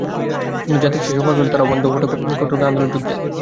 কিন্তু জাতির সেই সংকটকালে তাঁরাও বন্ধ ফটক টপকে আন্দোলনে যোগ দেন।